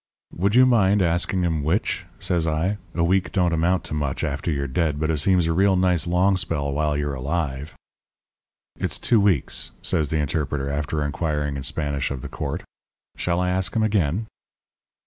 "'Would you mind asking 'em which?' says I. 'A week don't amount to much after you're dead, but it seems a real nice long spell while you are alive.' "'It's two weeks,' says the interpreter, after inquiring in Spanish of the court. 'Shall I ask 'em again?'